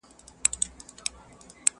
خلک ځغلي تر ملا تر زیارتونو؛